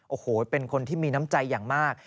โอ้โหเป็นคนที่มีน้ำใจอย่างมาก